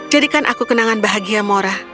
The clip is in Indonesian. jadikan aku kenangan bahagia mora